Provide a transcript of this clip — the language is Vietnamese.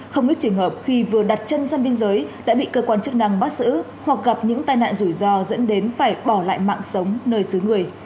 không ít trường hợp khi vừa đặt chân ra biên giới đã bị cơ quan chức năng bắt giữ hoặc gặp những tai nạn rủi ro dẫn đến phải bỏ lại mạng sống nơi xứ người